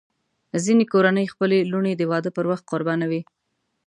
ځینې کورنۍ خپلې لوڼې د واده پر وخت قربانوي.